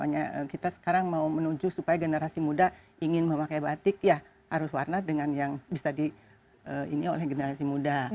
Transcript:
jadi sekarang mau menuju supaya generasi muda ingin memakai batik ya harus warna dengan yang bisa diingat oleh generasi muda